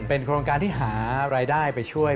เป็นโครงการที่หารายได้ไปช่วย